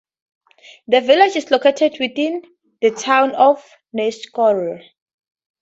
The village is located within the Town of Neshkoro.